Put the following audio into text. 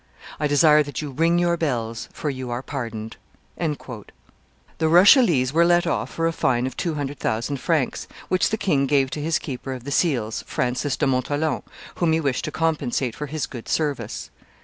I desire that you ring your bells, for you are pardoned." The Rochellese were let off for a fine of two hundred thousand francs, which the king gave to his keeper of the seals, Francis de Montholon, whom he wished to compensate for his good service.